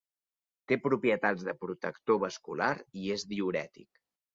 Té propietats de protector vascular i és diürètic.